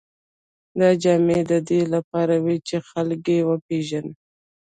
دا جامې د دې لپاره وې چې خلک یې وپېژني.